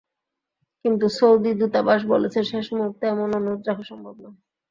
কিন্তু সৌদি দূতাবাস বলেছে, শেষ মুহূর্তে এমন অনুরোধ রাখা সম্ভব নয়।